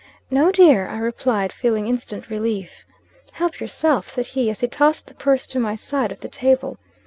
"No dear," I replied, feeling instant relief. "Help yourself;" said he, as he tossed the purse to my side of the table.